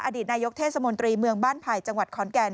อดีตนายกเทศมนตรีเมืองบ้านไผ่จังหวัดขอนแก่น